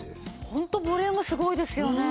ホントボリュームすごいですよね。